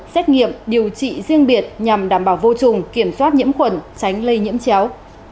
xét nghiệm điều trị riêng biệt nhằm đảm bảo vô trùng kiểm soát nhiễm khuẩn tránh lây nhiễm chéo